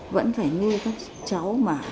vẫn phải nuôi các cháu